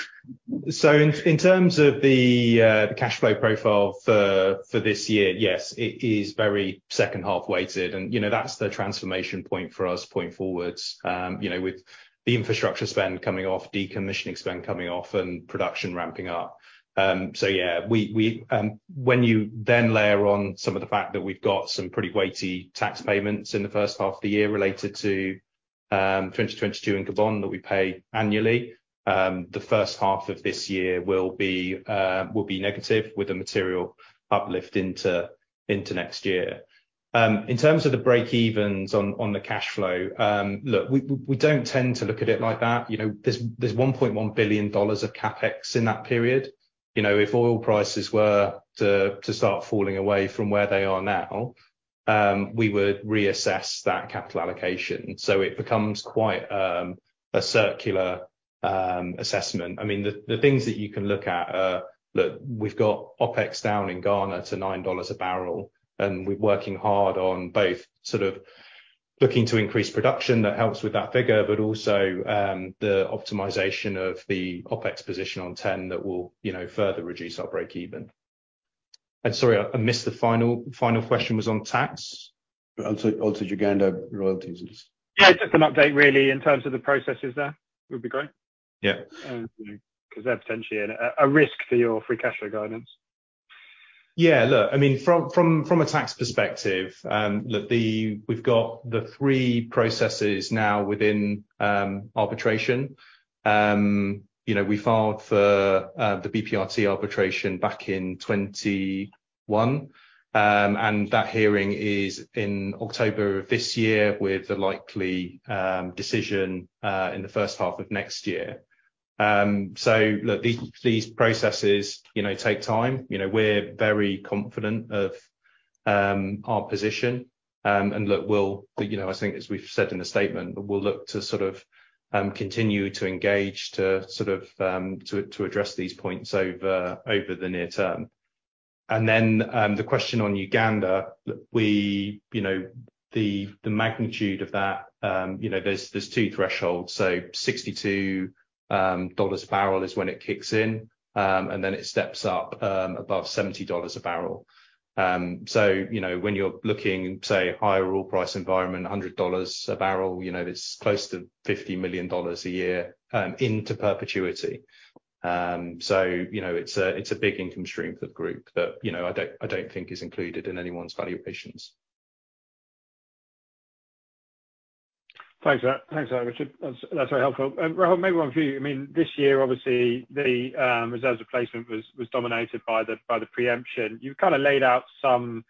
In terms of the cash flow profile for this year, yes, it is very second half weighted, and you know, that's the transformation point for us point forwards, you know, with the infrastructure spend coming off, decommissioning spend coming off and production ramping up. Yeah, we when you then layer on some of the fact that we've got some pretty weighty tax payments in the first half of the year related to 2022 in Gabon that we pay annually, the first half of this year will be negative with a material uplift into next year. In terms of the breakevens on the cash flow, look, we don't tend to look at it like that. You know, there's $1.1 billion of CapEx in that period. You know, if oil prices were to start falling away from where they are now, we would reassess that capital allocation. It becomes quite a circular assessment. I mean, the things that you can look at are, look, we've got OpEx down in Ghana to $9 a barrel, we're working hard on both sort of looking to increase production that helps with that figure, but also the optimization of the OpEx position on TEN that will, you know, further reduce our breakeven. Sorry, I missed the final question was on tax. Also Uganda royalties. Yeah, just an update really in terms of the processes there would be great. Yeah. Because they're potentially a risk for your free cash flow guidance. Yeah. Look, I mean from a tax perspective, look, we've got the three processes now within arbitration. You know, we filed for the BPRT arbitration back in 2021, and that hearing is in October of this year with the likely decision in the first half of next year. Look, these processes, you know, take time. You know, we're very confident of our position. Look, You know, I think as we've said in the statement, we'll look to sort of continue to engage to sort of to address these points over the near term. The question on Uganda, look, we, you know, the magnitude of that, you know, there's two thresholds. $62 a barrel is when it kicks in, and then it steps up above $70 a barrel. You know, when you're looking, say, higher oil price environment, $100 a barrel, you know, it's close to $50 million a year into perpetuity. You know, it's a, it's a big income stream for the group that, you know, I don't, I don't think is included in anyone's valuations. Thanks for that, Richard. That's very helpful. Rahul, maybe one for you. I mean, this year, obviously the reserves replacement was dominated by the pre-emption. You've kind of laid out some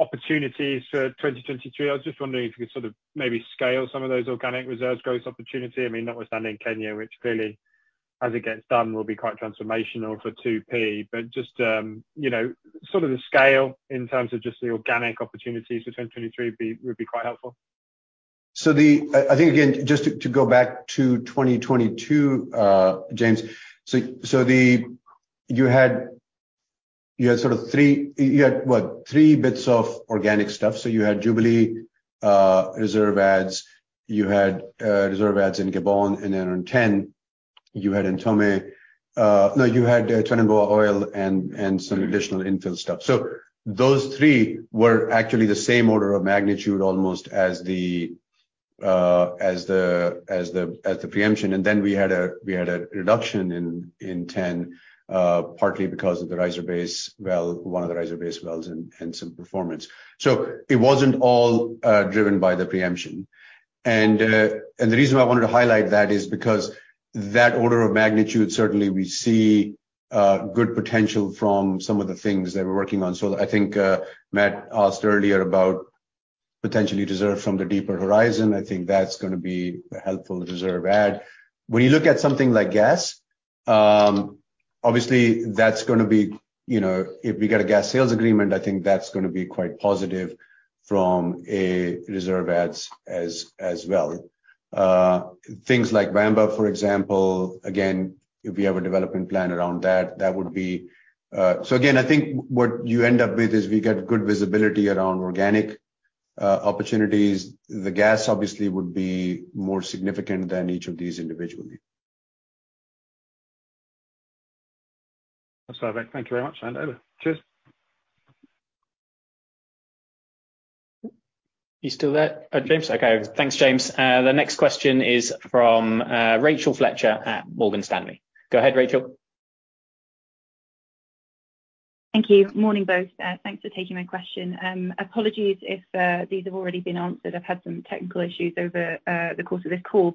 opportunities for 2023. I was just wondering if you could sort of maybe scale some of those organic reserves growth opportunity. I mean, notwithstanding Kenya, which clearly as it gets done will be quite transformational for 2P. Just, you know, sort of the scale in terms of just the organic opportunities for 2023 would be quite helpful. I think again, just to go back to 2022, James. You had sort of three. You had, what, three bits of organic stuff. You had Jubilee, reserve adds, you had reserve adds in Gabon and then on TEN you had Ntomme. No, you had Tweneboa Oil and some additional infill stuff. Those three were actually the same order of magnitude almost as the pre-emption. Then we had a reduction in TEN, partly because of the riser base well, one of the riser base wells and some performance. It wasn't all driven by the pre-emption. The reason why I wanted to highlight that is because that order of magnitude, certainly we see good potential from some of the things that we're working on. I think Matt asked earlier about potentially reserve from the deeper horizon. I think that's gonna be a helpful reserve add. When you look at something like gas, obviously that's gonna be, you know, if we get a gas sales agreement, I think that's gonna be quite positive from a reserve adds as well. Things like Wamba, for example, again, if we have a development plan around that would be. Again, I think what you end up with is we get good visibility around organic opportunities. The gas obviously would be more significant than each of these individually. That's perfect. Thank you very much. Over. Cheers. You still there, James? Okay. Thanks, James. The next question is from Rachel Fletcher at Morgan Stanley. Go ahead, Rachel. Thank you. Morning, both. Thanks for taking my question. Apologies if these have already been answered. I've had some technical issues over the course of this call.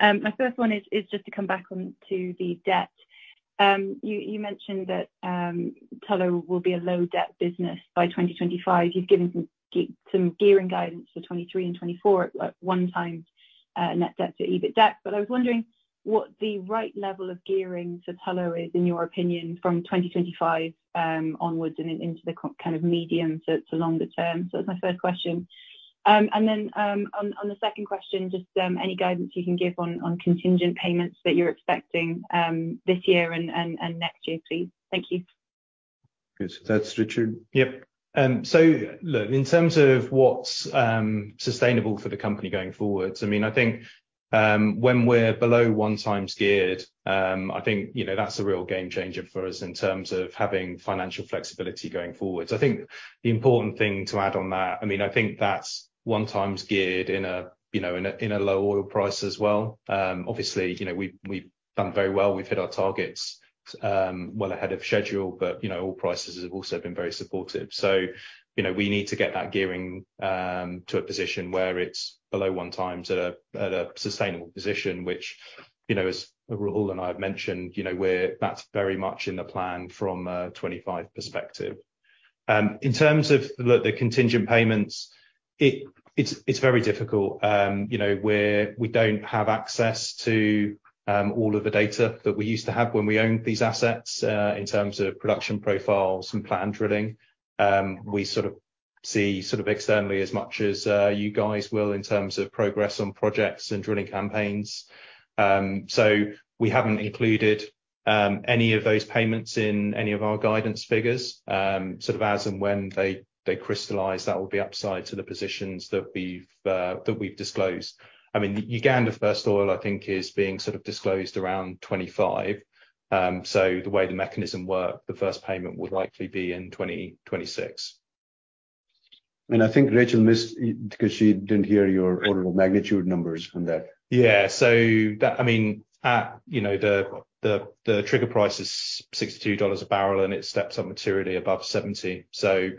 My first one is just to come back on to the debt. You mentioned that Tullow will be a low-debt business by 2025. You've given some gearing guidance for 2023 and 2024 at, like, 1x net debt to EBITDAX. I was wondering what the right level of gearing for Tullow is, in your opinion, from 2025 onwards and into the kind of medium to longer term. That's my first question. On the second question, just any guidance you can give on contingent payments that you're expecting this year and next year, please. Thank you. Good. That's Richard. Yep. Look, in terms of what's sustainable for the company going forwards, I mean, I think, when we're below 1x geared, I think, you know, that's a real game changer for us in terms of having financial flexibility going forwards. I think the important thing to add on that, I mean, I think that's 1x geared in a, you know, in a, in a low oil price as well. Obviously, you know, we've done very well. We've hit our targets well ahead of schedule, you know, oil prices have also been very supportive. You know, we need to get that gearing to a position where it's below 1x at a, at a sustainable position, which, you know, as Rahul and I have mentioned, you know, that's very much in the plan from a 2025 perspective. In terms of the contingent payments, it's, it's very difficult. you know, we don't have access to, all of the data that we used to have when we owned these assets, in terms of production profiles and planned drilling. We sort of see sort of externally as much as, you guys will in terms of progress on projects and drilling campaigns. We haven't included, any of those payments in any of our guidance figures. sort of as and when they crystallize, that will be upside to the positions that we've, that we've disclosed. I mean, Uganda First Oil, I think, is being sort of disclosed around 2025. The way the mechanism work, the first payment would likely be in 2026. I think Rachel missed it because she didn't hear your order of magnitude numbers from that. Yeah. I mean, at, you know, the trigger price is $62 a barrel, and it steps up materially above $70.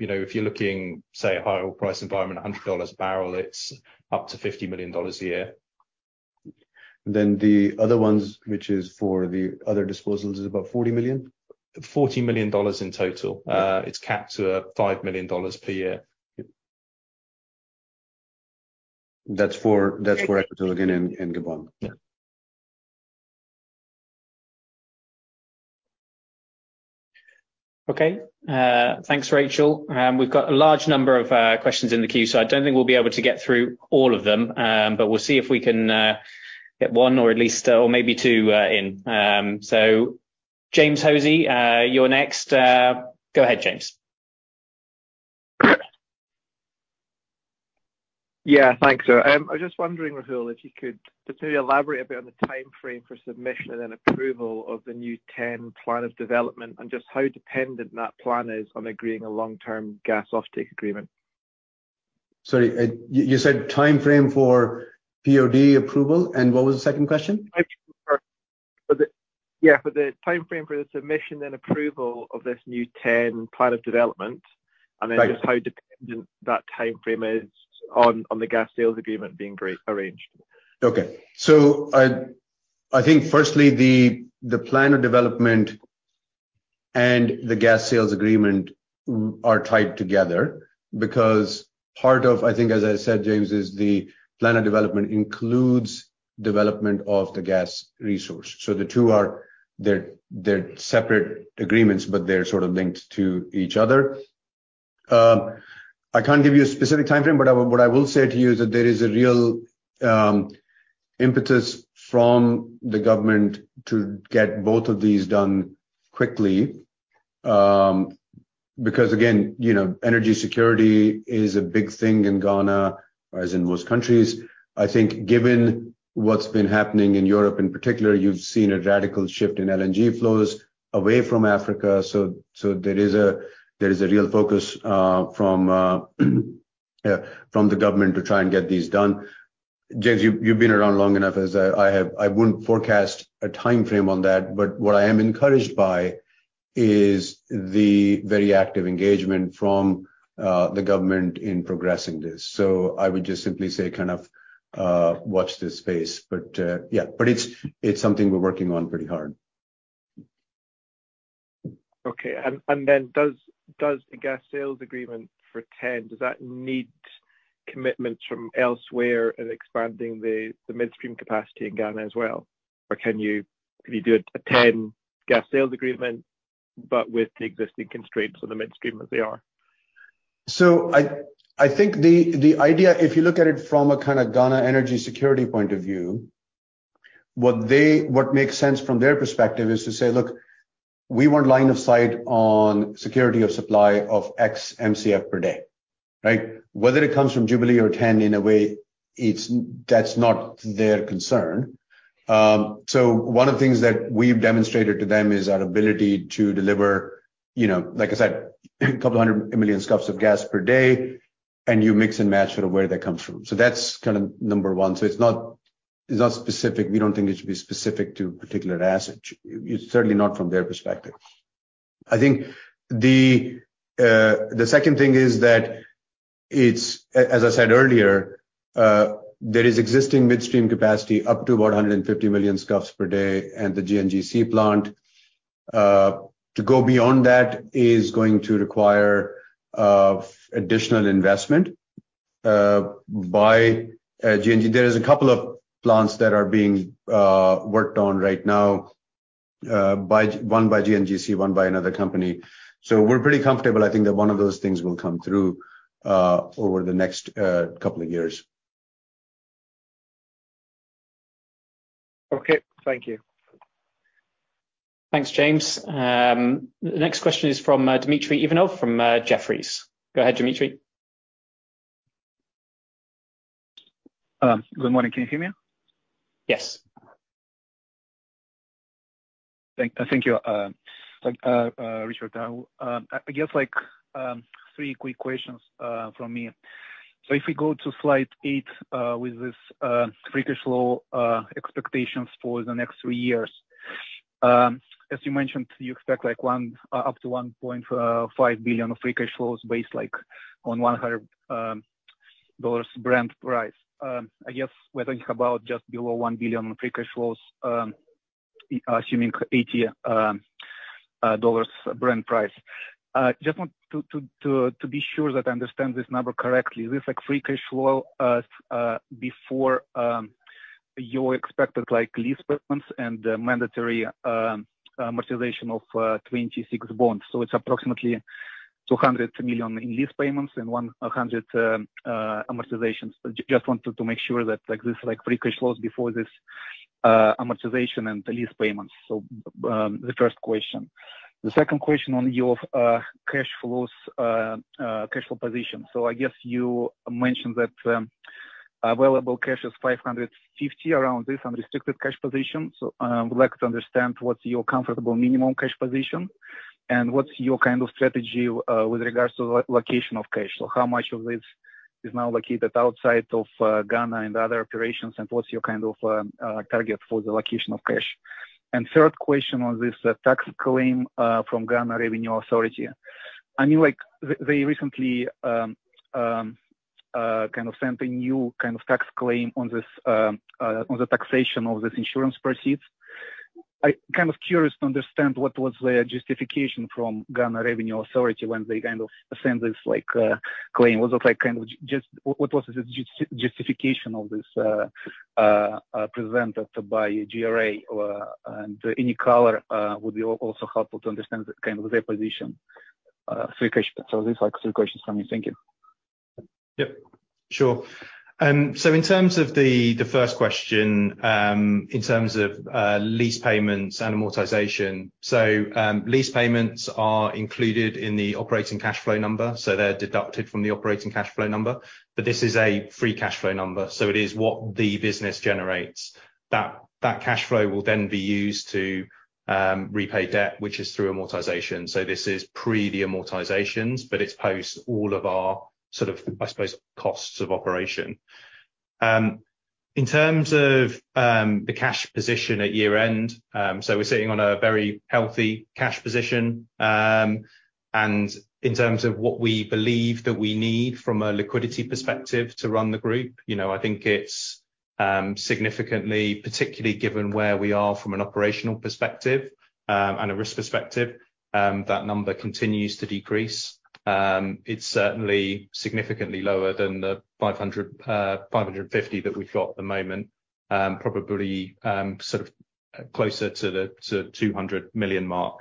You know, if you're looking, say, a high oil price environment, $100 a barrel, it's up to $50 million a year. The other ones, which is for the other disposals, is about $40 million. $40 million in total. It's capped to $5 million per year. That's for Equatorial Guinea and Gabon. Yeah. Okay. Thanks, Rachel. We've got a large number of questions in the queue. I don't think we'll be able to get through all of them. We'll see if we can get 1 or at least, or maybe two, in. James Hosie, you're next. Go ahead, James. Yeah. Thanks, sir. I was just wondering, Rahul, if you could just maybe elaborate a bit on the timeframe for submission and then approval of the new TEN Plan of Development and just how dependent that plan is on agreeing a long-term gas offtake agreement. Sorry, you said timeframe for POD approval, and what was the second question? Yeah, for the timeframe for the submission and approval of this new TEN Plan of Development. Right. Just how dependent that timeframe is on the gas sales agreement being re-arranged. Okay. I think firstly, the plan of development and the gas sales agreement are tied together because part of, I think, as I said, James, is the plan of development includes development of the gas resource. They're separate agreements, but they're sort of linked to each other. I can't give you a specific timeframe, but I, what I will say to you is that there is a real impetus from the government to get both of these done quickly, again, you know, energy security is a big thing in Ghana, as in most countries. I think given what's been happening in Europe, in particular, you've seen a radical shift in LNG flows away from Africa. There is a real focus from the government to try and get these done. James, you've been around long enough, as I have. I wouldn't forecast a timeframe on that, but what I am encouraged by is the very active engagement from the government in progressing this. I would just simply say kind of, watch this space, but, yeah. It's something we're working on pretty hard. Okay. Then does the gas sales agreement for TEN, does that need commitment from elsewhere in expanding the midstream capacity in Ghana as well? Can you do a TEN gas sales agreement but with the existing constraints on the midstream as they are? I think the idea, if you look at it from a kind of Ghana energy security point of view, what makes sense from their perspective is to say, "Look, we want line of sight on security of supply of X Mcf per day." Right? Whether it comes from Jubilee or TEN, in a way, that's not their concern. One of the things that we've demonstrated to them is our ability to deliver, you know, like I said, a couple hundred million scf of gas per day, and you mix and match sort of where that comes from. That's kind of number one. It's not, it's not specific. We don't think it should be specific to a particular asset. It's certainly not from their perspective. I think the second thing is that it's, as I said earlier, there is existing midstream capacity up to about 150 million scf per day at the GNGC plant. To go beyond that is going to require additional investment by GNGC. There is a couple of plants that are being worked on right now, by, one by GNGC, one by another company. We're pretty comfortable, I think, that one of those things will come through over the next couple of years. Okay, thank you. Thanks, James. The next question is from Dmitry Ivanov from Jefferies. Go ahead, Dmitry. Good morning. Can you hear me? Yes. Thank you, Richard. I guess, like, three quick questions from me. If we go to slide eight with this free cash flow expectations for the next three years. As you mentioned, you expect, like, up to $1.5 billion of free cash flows based, like, on $100 Brent price. I guess we're talking about just below $1 billion in free cash flows, assuming $80 Brent price. Just want to be sure that I understand this number correctly. This is like free cash flow before your expected, like, lease payments and the mandatory amortization of 26 bonds. It's approximately $200 million in lease payments and $100 million amortizations. Just wanted to make sure that, like, this is, like, free cash flows before this amortization and the lease payments. The first question. The second question on your cash flows cash flow position. I guess you mentioned that available cash is $550 around this unrestricted cash position. I would like to understand what's your comfortable minimum cash position and what's your kind of strategy with regards to the location of cash. How much of this is now located outside of Ghana and other operations and what's your kind of target for the location of cash? Third question on this tax claim from Ghana Revenue Authority. I know, like, they recently kind of sent a new kind of tax claim on this on the taxation of this insurance proceeds. I'm kind of curious to understand what was their justification from Ghana Revenue Authority when they kind of sent this, like, claim. What was the justification of this presented by GRA? Any color would be also helpful to understand the kind of their position. Three questions. These are, like, three questions from me. Thank you. Yep. Sure. In terms of the first question, in terms of lease payments and amortization. Lease payments are included in the operating cash flow number, so they're deducted from the operating cash flow number. This is a free cash flow number, so it is what the business generates. That cash flow will then be used to repay debt, which is through amortization. This is pre the amortizations, but it's post all of our sort of, I suppose, costs of operation. In terms of the cash position at year-end, we're sitting on a very healthy cash position. In terms of what we believe that we need from a liquidity perspective to run the group, you know, I think it's significantly, particularly given where we are from an operational perspective, and a risk perspective, that number continues to decrease. It's certainly significantly lower than the $550 million that we've got at the moment. Probably closer to the $200 million mark.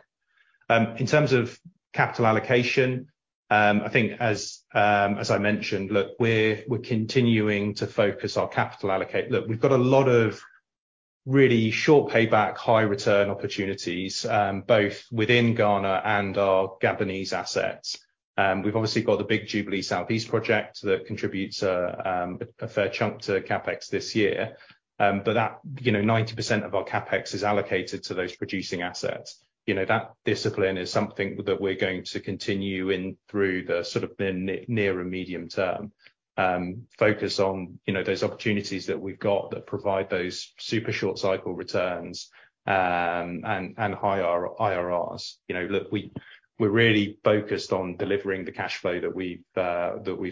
In terms of capital allocation, I think as I mentioned, look, we're continuing to focus our capital. Look, we've got a lot of really short payback, high return opportunities, both within Ghana and our Gabonese assets. We've obviously got the big Jubilee Southeast project that contributes a fair chunk to CapEx this year. That, you know, 90% of our CapEx is allocated to those producing assets. You know, that discipline is something that we're going to continue in through the sort of the near and medium term. Focus on, you know, those opportunities that we've got that provide those super short cycle returns, and high IRRs. You know, look, we're really focused on delivering the cash flow that we've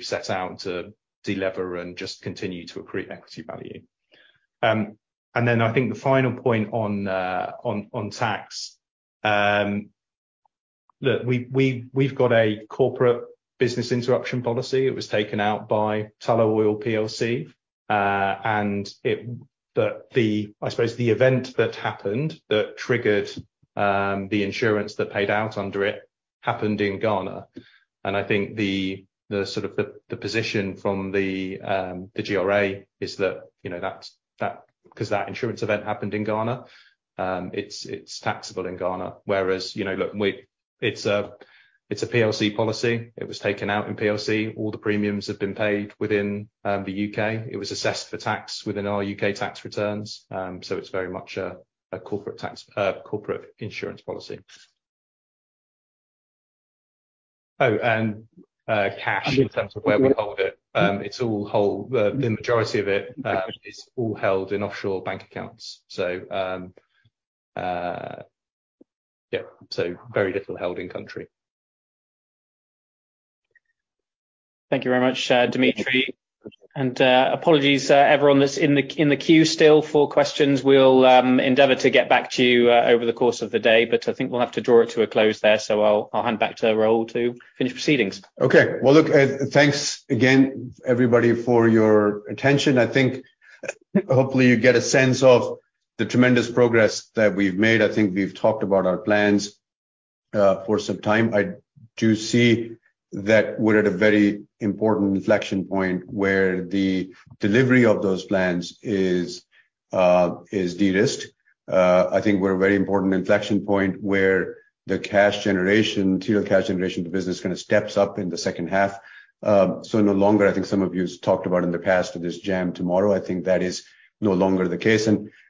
set out to delever and just continue to accrue equity value. I think the final point on tax. Look, we've got a corporate business interruption policy. It was taken out by Tullow Oil PLC, and it, but the, I suppose the event that happened that triggered the insurance that paid out under it happened in Ghana. I think the sort of the position from the GRA is that, you know, that's because that insurance event happened in Ghana, it's taxable in Ghana. You know, look, it's a PLC policy. It was taken out in PLC. All the premiums have been paid within the U.K. It was assessed for tax within our U.K. tax returns. It's very much a corporate tax, corporate insurance policy. Cash in terms of where we hold it. It's all the majority of it is all held in offshore bank accounts. Very little held in country. Thank you very much, Dmitry. Apologies, everyone that's in the queue still for questions. We'll endeavor to get back to you over the course of the day, but I think we'll have to draw it to a close there. I'll hand back to Rahul to finish proceedings. Okay. Well, look, thanks again, everybody, for your attention. I think hopefully you get a sense of the tremendous progress that we've made. I think we've talked about our plans for some time. I do see that we're at a very important inflection point where the delivery of those plans is de-risked. I think we're a very important inflection point where the cash generation, tier cash generation of the business kind of steps up in the second half. No longer I think some of you talked about in the past with this jam tomorrow, I think that is no longer the case.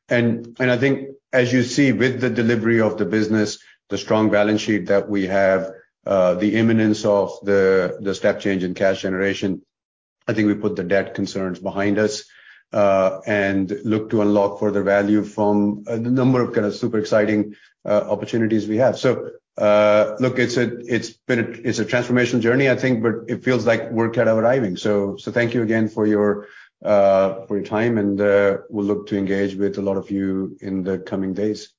I think as you see with the delivery of the business, the strong balance sheet that we have, the imminence of the step change in cash generation, I think we put the debt concerns behind us and look to unlock further value from a number of kind of super exciting opportunities we have. Look, it's a transformational journey, I think, but it feels like we're kind of arriving. Thank you again for your time and we'll look to engage with a lot of you in the coming days.